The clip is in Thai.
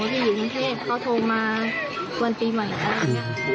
ที่อยู่กรุงเทพเขาโทรมาวันปีใหม่แล้ว